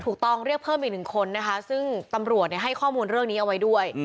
เรียกเพิ่มอีกหนึ่งคนนะคะซึ่งตำรวจให้ข้อมูลเรื่องนี้เอาไว้ด้วย